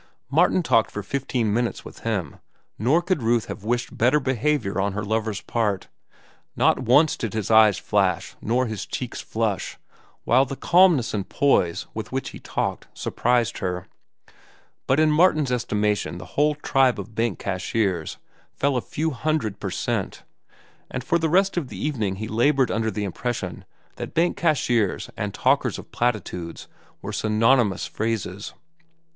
Martin talked for fifteen minutes with him, nor could Ruth have wished better behavior on her lover's part. Not once did his eyes flash nor his cheeks flush, while the calmness and poise with which he talked surprised her. But in Martin's estimation the whole tribe of bank cashiers fell a few hundred per cent, and for the rest of the evening he labored under the impression that bank cashiers and talkers of platitudes were synonymous phrases.